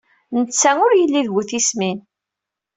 Netta ur yelli d bu tismin.